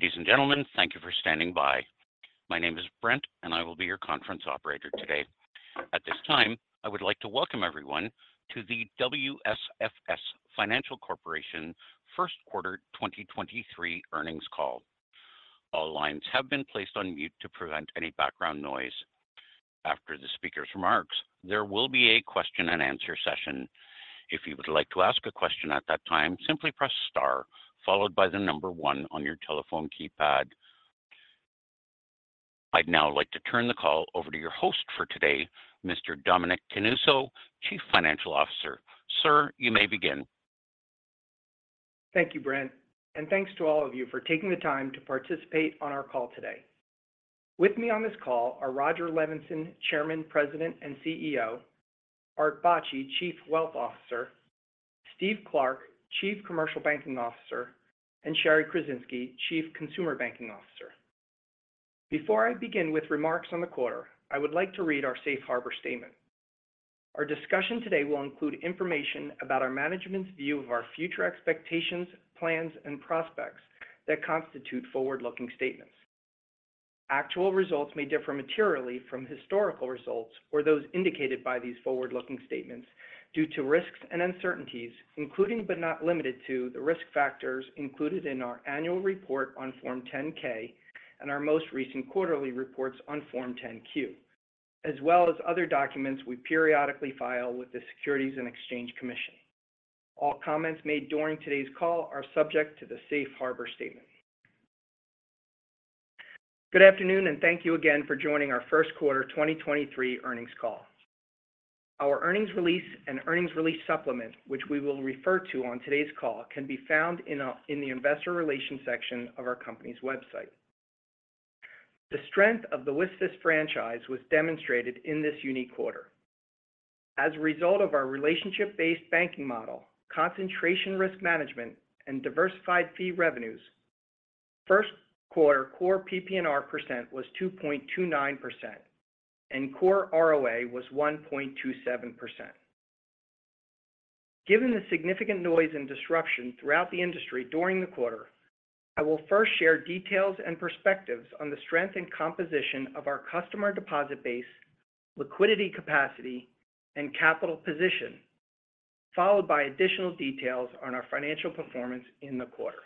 Ladies and gentlemen, thank you for standing by. My name is Brent, and I will be your conference operator today. At this time, I would like to welcome everyone to the WSFS Financial Corporation first quarter 2023 earnings call. All lines have been placed on mute to prevent any background noise. After the speaker's remarks, there will be a question and answer session. If you would like to ask a question at that time, simply press star followed by the number one on your telephone keypad. I'd now like to turn the call over to your host for today, Mr. Dominic Canuso, Chief Financial Officer. Sir, you may begin. Thank you, Brent. Thanks to all of you for taking the time to participate on our call today. With me on this call are Rodger Levenson, Chairman, President, and CEO, Art Bacci, Chief Wealth Officer, Steve Clark, Chief Commercial Banking Officer, and Shari Kruzinski, Chief Consumer Banking Officer. Before I begin with remarks on the quarter, I would like to read our safe harbor statement. Our discussion today will include information about our management's view of our future expectations, plans, and prospects that constitute forward-looking statements. Actual results may differ materially from historical results or those indicated by these forward-looking statements due to risks and uncertainties, including, but not limited to, the risk factors included in our annual report on Form 10-K and our most recent quarterly reports on Form 10-Q, as well as other documents we periodically file with the Securities and Exchange Commission. All comments made during today's call are subject to the safe harbor statement. Good afternoon, and thank you again for joining our first quarter 2023 earnings call. Our earnings release and earnings release supplement, which we will refer to on today's call, can be found in the investor relations section of our company's website. The strength of the WSFS franchise was demonstrated in this unique quarter. As a result of our relationship-based banking model, concentration risk management, and diversified fee revenues, first quarter core PPNR % was 2.29% and core ROA was 1.27%. Given the significant noise and disruption throughout the industry during the quarter, I will first share details and perspectives on the strength and composition of our customer deposit base, liquidity capacity, and capital position, followed by additional details on our financial performance in the quarter.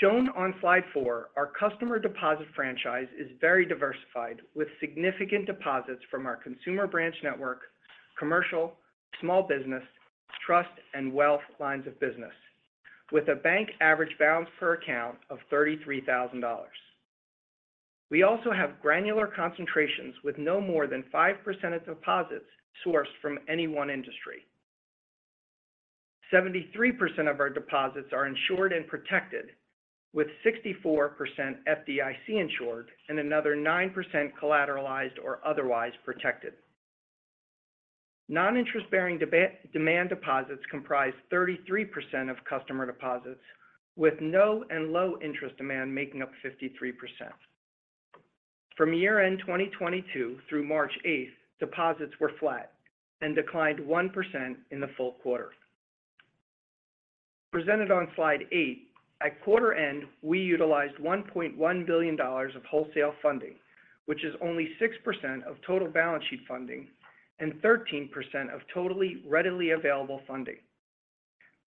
Shown on slide four, our customer deposit franchise is very diversified, with significant deposits from our consumer branch network, commercial, small business, trust, and wealth lines of business with a bank average balance per account of $33,000. We also have granular concentrations with no more than 5% of deposits sourced from any one industry. 73% of our deposits are insured and protected, with 64% FDIC insured and another 9% collateralized or otherwise protected. Non-interest-bearing demand deposits comprise 33% of customer deposits, with no and low interest demand making up 53%. From year-end 2022 through March 8th, deposits were flat and declined 1% in the full quarter. Presented on slide eight, at quarter end, we utilized $1.1 billion of wholesale funding, which is only 6% of total balance sheet funding and 13% of totally readily available funding,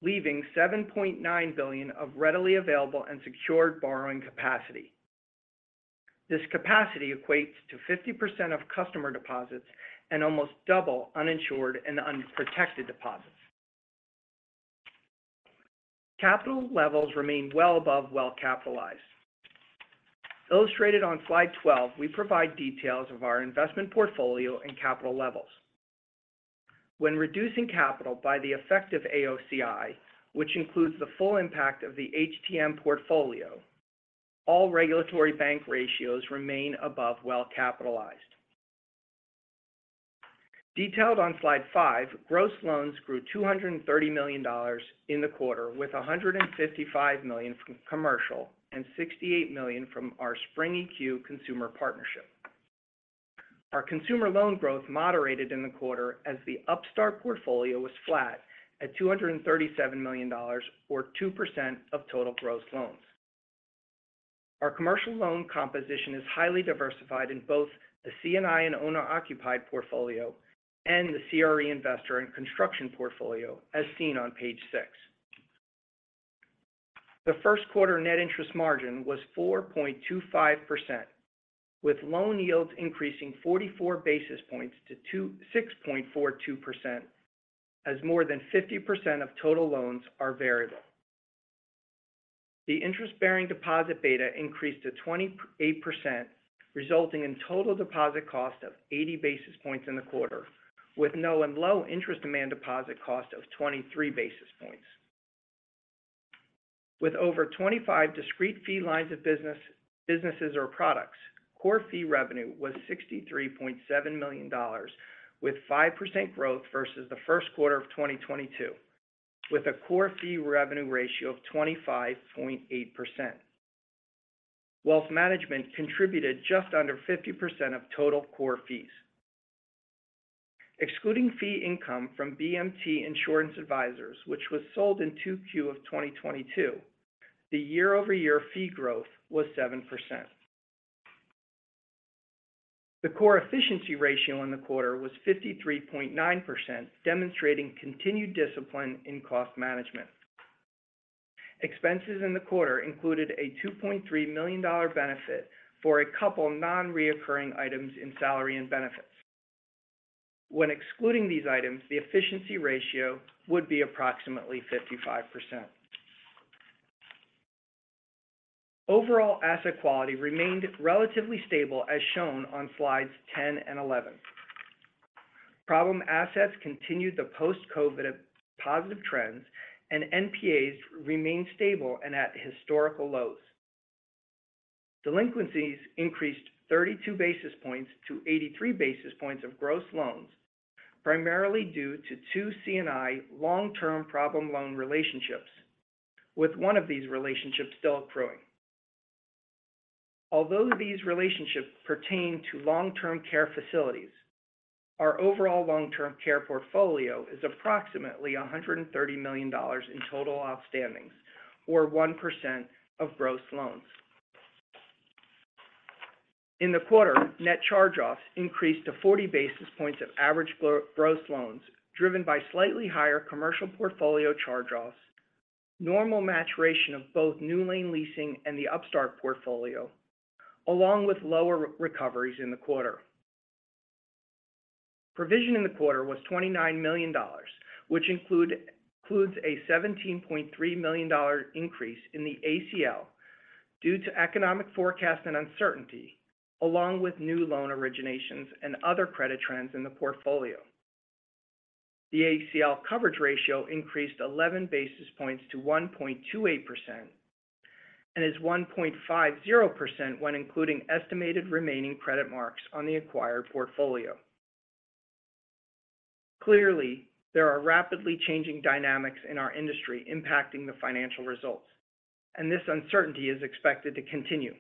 leaving $7.9 billion of readily available and secured borrowing capacity. This capacity equates to 50% of customer deposits and almost double uninsured and unprotected deposits. Capital levels remain well above well-capitalized. Illustrated on slide 12, we provide details of our investment portfolio and capital levels. When reducing capital by the effect of AOCI, which includes the full impact of the HTM portfolio, all regulatory bank ratios remain above well-capitalized. Detailed on slide five, gross loans grew $230 million in the quarter, with $155 million from commercial and $68 million from our Spring EQ consumer partnership. Our consumer loan growth moderated in the quarter as the Upstart portfolio was flat at $237 million or 2% of total gross loans. Our commercial loan composition is highly diversified in both the C&I and owner-occupied portfolio and the CRE investor and construction portfolio as seen on page 6. The first quarter net interest margin was 4.25%, with loan yields increasing 44 basis points to 6.42% as more than 50% of total loans are variable. The interest-bearing deposit beta increased to 28%, resulting in total deposit cost of 80 basis points in the quarter, with no and low interest demand deposit cost of 23 basis points. With over 25 discrete fee lines of business, businesses or products, core fee revenue was $63.7 million, with 5% growth versus the first quarter of 2022, with a core fee revenue ratio of 25.8%. Wealth Management contributed just under 50% of total core fees. Excluding fee income from BMT Insurance Advisors, which was sold in 2Q of 2022, the year-over-year fee growth was 7%. The core efficiency ratio in the quarter was 53.9%, demonstrating continued discipline in cost management. Expenses in the quarter included a $2.3 million benefit for a couple non-recurring items in salary and benefits. When excluding these items, the efficiency ratio would be approximately 55%. Overall asset quality remained relatively stable, as shown on slides 10 and 11. Problem assets continued the post-COVID positive trends. NPAs remained stable and at historical lows. Delinquencies increased 32 basis points to 83 basis points of gross loans, primarily due to two C&I long-term problem loan relationships, with one of these relationships still accruing. These relationships pertain to long-term care facilities, our overall long-term care portfolio is approximately $130 million in total outstandings or 1% of gross loans. In the quarter, net charge-offs increased to 40 basis points of average gross loans, driven by slightly higher commercial portfolio charge-offs, normal maturation of both NewLane Leasing and the Upstart portfolio, along with lower recoveries in the quarter. Provision in the quarter was $29 million, which includes a $17.3 million increase in the ACL due to economic forecast and uncertainty, along with new loan originations and other credit trends in the portfolio. The ACL coverage ratio increased 11 basis points to 1.28% and is 1.50% when including estimated remaining credit marks on the acquired portfolio. Clearly, there are rapidly changing dynamics in our industry impacting the financial results. This uncertainty is expected to continue.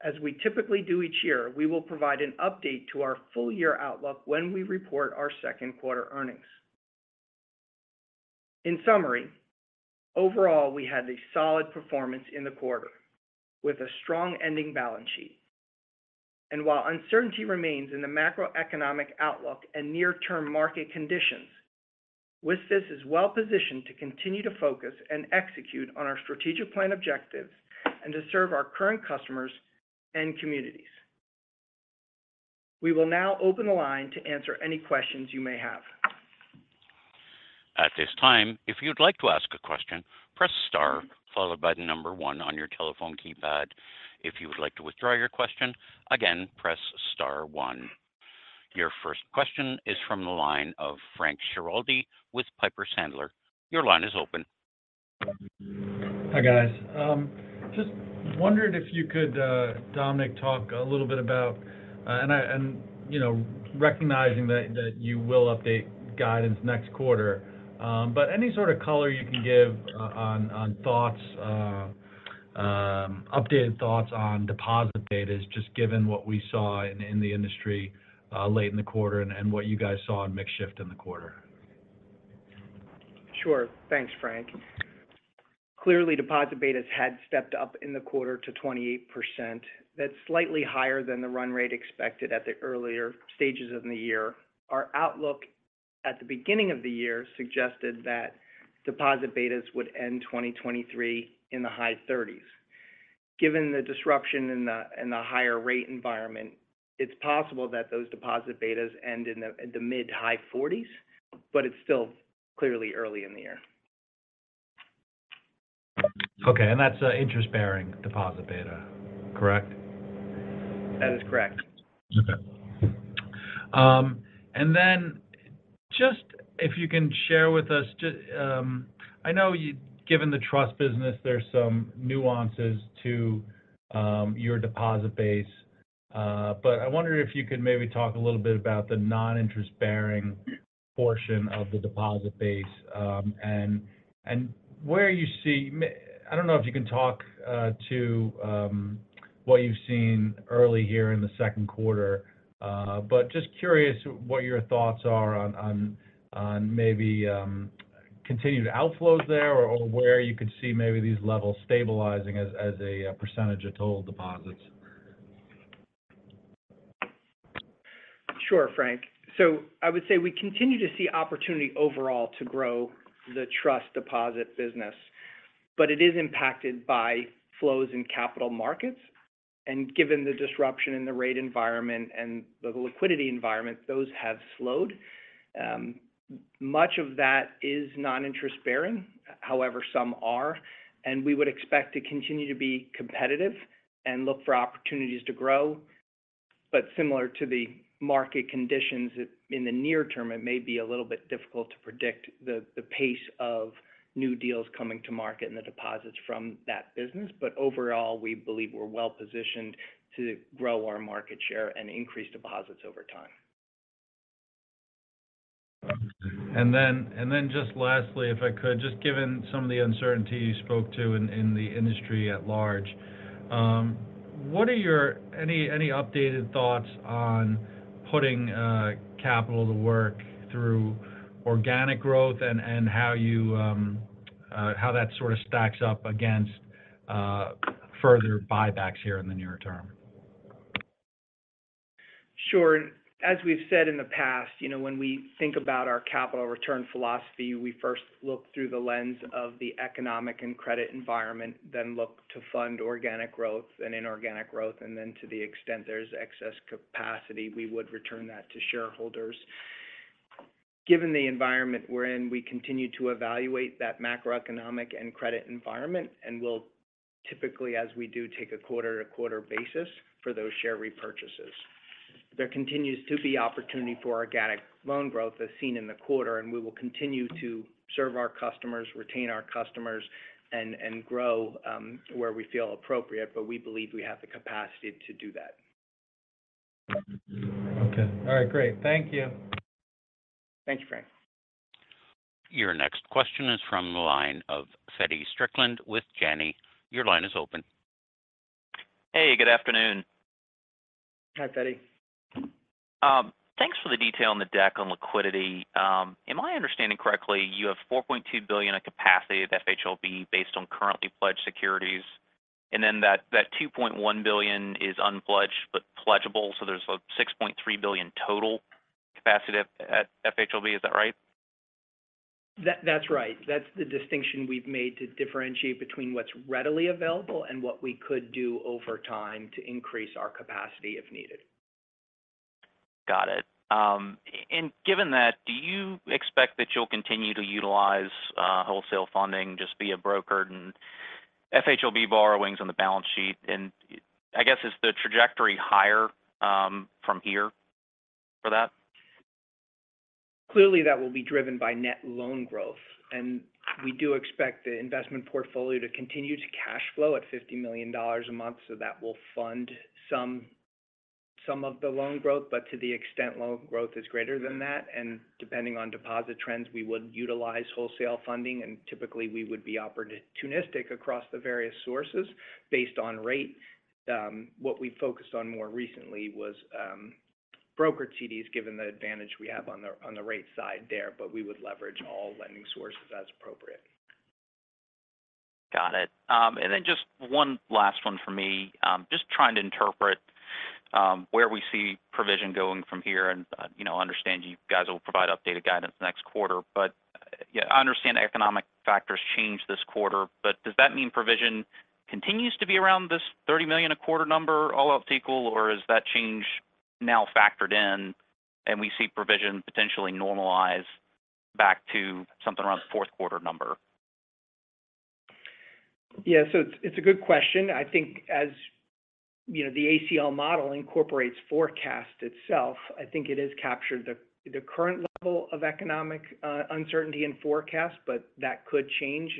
As we typically do each year, we will provide an update to our full year outlook when we report our second quarter earnings. In summary, overall, we had a solid performance in the quarter with a strong ending balance sheet. While uncertainty remains in the macroeconomic outlook and near-term market conditions, WSFS is well-positioned to continue to focus and execute on our strategic plan objectives and to serve our current customers and communities. We will now open the line to answer any questions you may have. At this time, if you'd like to ask a question, press star followed by the number one on your telephone keypad. If you would like to withdraw your question, again, press star one. Your first question is from the line of Frank Schiraldi with Piper Sandler. Your line is open. Hi, guys. just wondered if you could, Dominic, talk a little bit about, and you know, recognizing that you will update guidance next quarter. Any sort of color you can give on thoughts, updated thoughts on deposit betas, just given what we saw in the industry, late in the quarter and what you guys saw in mix shift in the quarter. Sure. Thanks, Frank. Clearly, deposit betas had stepped up in the quarter to 28%. That's slightly higher than the run rate expected at the earlier stages of the year. Our outlook at the beginning of the year suggested that deposit betas would end 2023 in the high thirties. Given the disruption in the higher rate environment, it's possible that those deposit betas end in the mid-high forties, but it's still clearly early in the year. Okay. That's interest-bearing deposit beta, correct? That is correct. Okay. Just if you can share with us I know given the trust business, there's some nuances to your deposit base. I wonder if you could maybe talk a little bit about the non-interest-bearing portion of the deposit base, and where you see I don't know if you can talk to what you've seen early here in the second quarter. Just curious what your thoughts are on maybe continued outflows there or where you could see maybe these levels stabilizing as a percentage of total deposits. Sure, Frank. I would say we continue to see opportunity overall to grow the trust deposit business, but it is impacted by flows in capital markets. Given the disruption in the rate environment and the liquidity environment, those have slowed. much of that is non-interest-bearing. However, some are. We would expect to continue to be competitive and look for opportunities to grow. Similar to the market conditions in the near term, it may be a little bit difficult to predict the pace of new deals coming to market and the deposits from that business. Overall, we believe we're well-positioned to grow our market share and increase deposits over time. Then just lastly, if I could just given some of the uncertainty you spoke to in the industry at large, what are your any updated thoughts on putting capital to work through organic growth and how you, how that sort of stacks up against further buybacks here in the near term? Sure. As we've said in the past, you know, when we think about our capital return philosophy, we first look through the lens of the economic and credit environment, then look to fund organic growth and inorganic growth, and then to the extent there's excess capacity, we would return that to shareholders. Given the environment we're in, we continue to evaluate that macroeconomic and credit environment, and we'll typically, as we do, take a quarter-to-quarter basis for those share repurchases. There continues to be opportunity for organic loan growth as seen in the quarter, and we will continue to serve our customers, retain our customers, and grow where we feel appropriate, but we believe we have the capacity to do that. Okay. All right. Great. Thank you. Thanks, Frank. Your next question is from the line of Teddy Strickland with Janney. Your line is open. Hey, good afternoon. Hi, Teddy. Thanks for the detail on the deck on liquidity. Am I understanding correctly, you have $4.2 billion of capacity at FHLB based on currently pledged securities, and then that $2.1 billion is unpledged but pledgeable, so there's a $6.3 billion total capacity at FHLB, is that right? That's right. That's the distinction we've made to differentiate between what's readily available and what we could do over time to increase our capacity if needed. Got it. Given that, do you expect that you'll continue to utilize, wholesale funding, just via brokered and FHLB borrowings on the balance sheet? I guess, is the trajectory higher, from here for that? Clearly, that will be driven by net loan growth. We do expect the investment portfolio to continue to cash flow at $50 million a month, so that will fund some of the loan growth. To the extent loan growth is greater than that, and depending on deposit trends, we would utilize wholesale funding, and typically we would be opportunistic across the various sources based on rate. What we focused on more recently was brokered CDs, given the advantage we have on the rate side there, but we would leverage all lending sources as appropriate. Got it. Just one last one for me. Just trying to interpret where we see provision going from here and, you know, understand you guys will provide updated guidance next quarter. Yeah, I understand economic factors changed this quarter, but does that mean provision continues to be around this $30 million a quarter number all else equal, or is that change now factored in and we see provision potentially normalize back to something around the fourth quarter number? It's a good question. I think as, you know, the ACL model incorporates forecast itself. I think it has captured the current level of economic uncertainty and forecast, but that could change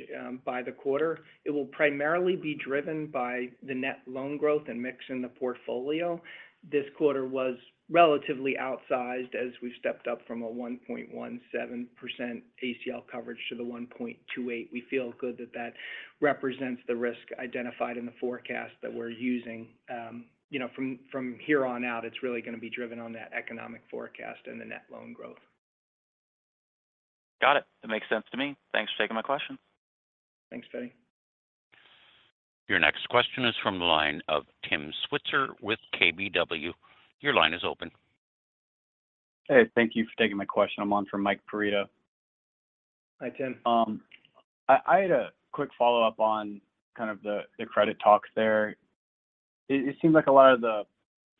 by the quarter. It will primarily be driven by the net loan growth and mix in the portfolio. This quarter was relatively outsized as we stepped up from a 1.17% ACL coverage to the 1.28%. We feel good that that represents the risk identified in the forecast that we're using. you know, from here on out, it's really going to be driven on that economic forecast and the net loan growth. Got it. That makes sense to me. Thanks for taking my question. Thanks, Teddy. Your next question is from the line of Tim Switzer with KBW. Your line is open. Hey, thank you for taking my question. I'm on for Michael Perito. Hi, Tim. I had a quick follow-up on kind of the credit talks there. It seems like a lot of the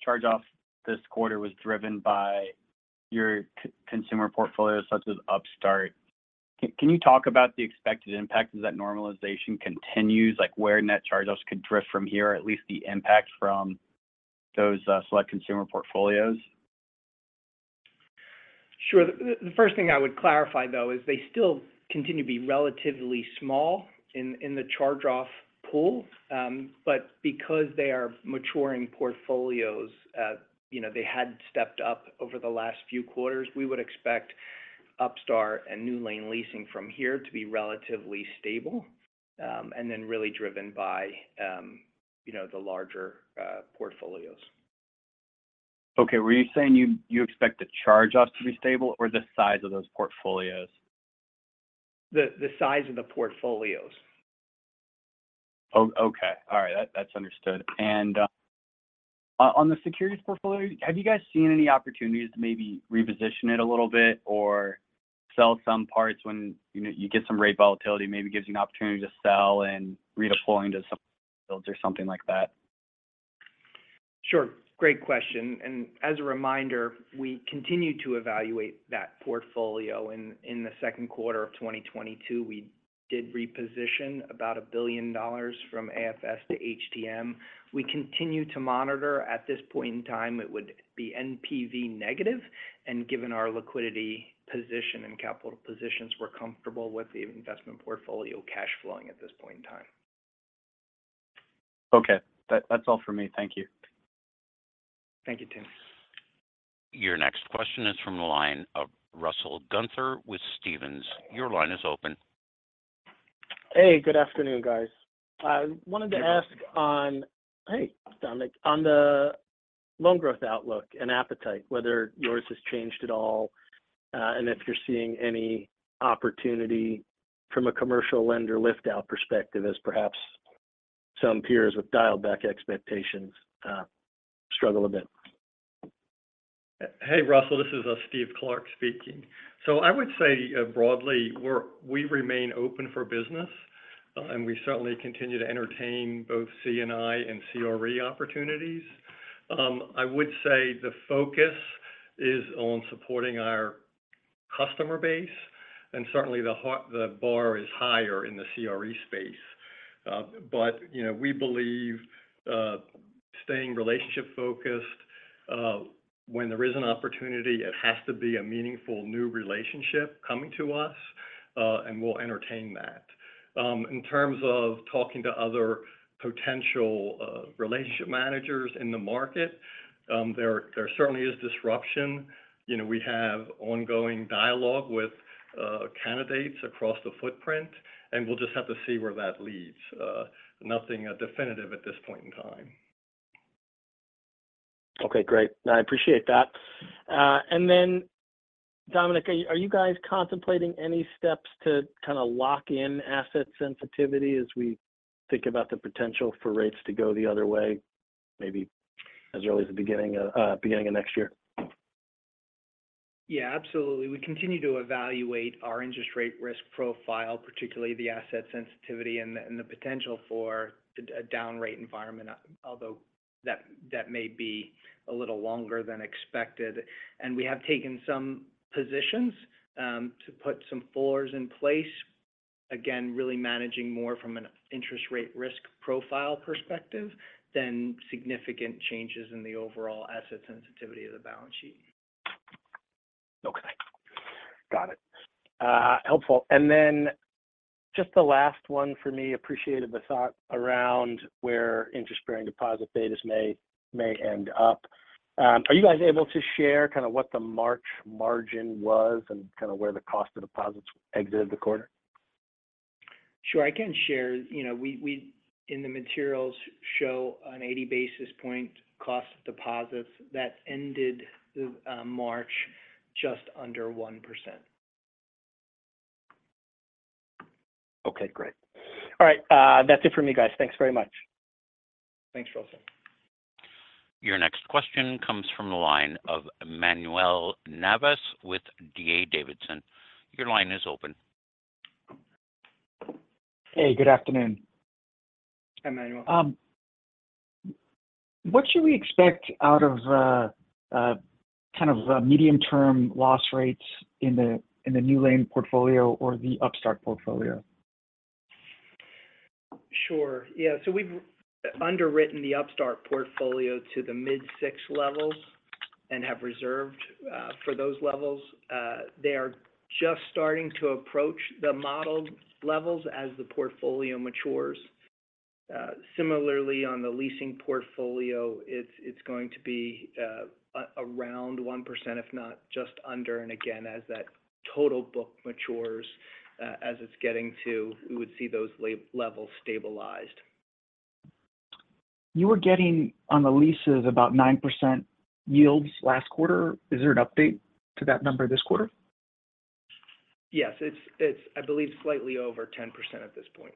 charge-off this quarter was driven by your consumer portfolio, such as Upstart. Can you talk about the expected impact as that normalization continues, like where net charge-offs could drift from here, at least the impact from those select consumer portfolios? Sure. The, the first thing I would clarify, though, is they still continue to be relatively small in the charge-off pool. Because they are maturing portfolios, you know, they had stepped up over the last few quarters. We would expect Upstart and NewLane leasing from here to be relatively stable, and then really driven by, you know, the larger portfolios. Okay. Were you saying you expect the charge-offs to be stable or the size of those portfolios? The size of the portfolios. Okay. All right. That's understood. On the securities portfolio, have you guys seen any opportunities to maybe reposition it a little bit or sell some parts when, you know, you get some rate volatility, maybe gives you an opportunity to sell and redeploy into some fields or something like that? Sure. Great question. As a reminder, we continue to evaluate that portfolio. In the second quarter of 2022, we did reposition about $1 billion from AFS to HTM. We continue to monitor. At this point in time, it would be NPV negative. Given our liquidity position and capital positions, we're comfortable with the investment portfolio cash flowing at this point in time. Okay. That's all for me. Thank you. Thank you, Tim. Your next question is from the line of Russell Gunther with Stephens. Your line is open. Hey, good afternoon, guys. I wanted to ask Hey, Dominic. The loan growth outlook and appetite, whether yours has changed at all, and if you're seeing any opportunity from a commercial lender lift-out perspective as perhaps some peers with dialed back expectations, struggle a bit. Hey, Russell, this is Steve Clark speaking. I would say broadly we remain open for business, we certainly continue to entertain both C&I and CRE opportunities. I would say the focus is on supporting our customer base, and certainly the bar is higher in the CRE space. You know, we believe staying relationship-focused. When there is an opportunity, it has to be a meaningful new relationship coming to us, we'll entertain that. In terms of talking to other potential relationship managers in the market, there certainly is disruption. You know, we have ongoing dialogue with candidates across the footprint, we'll just have to see where that leads. Nothing definitive at this point in time. Okay, great. I appreciate that. Dominic, are you guys contemplating any steps to kind of lock in asset sensitivity as we think about the potential for rates to go the other way, maybe as early as the beginning of next year? Yeah, absolutely. We continue to evaluate our interest rate risk profile, particularly the asset sensitivity and the potential for a down rate environment, although that may be a little longer than expected. We have taken some positions to put some floors in place. Again, really managing more from an interest rate risk profile perspective than significant changes in the overall asset sensitivity of the balance sheet. Okay. Got it. Helpful. Just the last one for me. Appreciated the thought around where interest-bearing deposit betas may end up. Are you guys able to share kind of what the March margin was and kind of where the cost of deposits exited the quarter? Sure, I can share. You know, we in the materials show an 80 basis point cost of deposits. That ended March just under 1%. Okay, great. All right. That's it for me, guys. Thanks very much. Thanks, Russell. Your next question comes from the line of Manuel Navas with D.A. Davidson. Your line is open. Hey, good afternoon. Hi, Manuel. what should we expect out of kind of medium-term loss rates in the in the NewLane portfolio or the Upstart portfolio? Sure. Yeah. We've underwritten the Upstart portfolio to the mid-six levels and have reserved for those levels. They are just starting to approach the modeled levels as the portfolio matures. Similarly on the leasing portfolio, it's going to be around 1%, if not just under. Again, as that total book matures, as it's getting to, we would see those levels stabilized. You were getting on the leases about 9% yields last quarter. Is there an update to that number this quarter? Yes. It's, I believe, slightly over 10% at this point.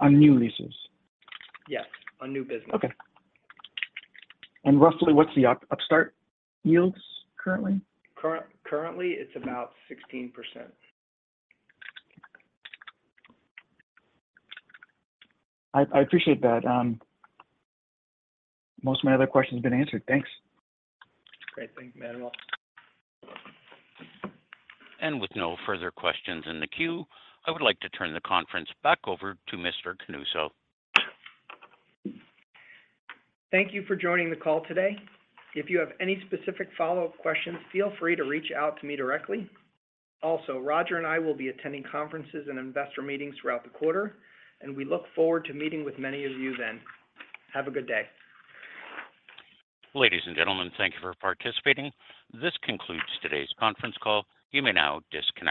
On new leases? Yes, on new business. Okay. Roughly, what's the Upstart yields currently? Currently, it's about 16%. I appreciate that. Most of my other questions have been answered. Thanks. Great. Thank you, Manuel. With no further questions in the queue, I would like to turn the conference back over to Mr. Canuso. Thank you for joining the call today. If you have any specific follow-up questions, feel free to reach out to me directly. Also, Rodger and I will be attending conferences and investor meetings throughout the quarter, and we look forward to meeting with many of you then. Have a good day. Ladies and gentlemen, thank you for participating. This concludes today's conference call. You may now disconnect.